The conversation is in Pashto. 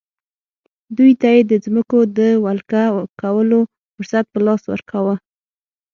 دوی ته یې د ځمکو د ولکه کولو فرصت په لاس ورکاوه.